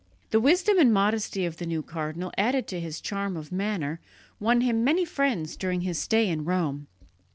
The wisdom and modesty of the new cardinal, added to his charm of manner, won him many friends during his stay in Rome.